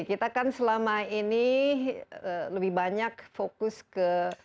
kita kan selama ini lebih banyak fokus ke pengadaan dari vaksin